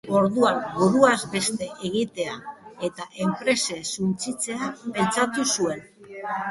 Orduan buruaz beste egitea eta enpresa suntsitzea pentsatu zuen.